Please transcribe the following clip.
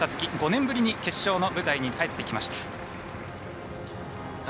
５年ぶりに決勝の舞台に帰ってきました。